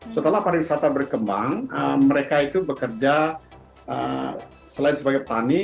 setelah pariwisata berkembang mereka itu bekerja selain sebagai petani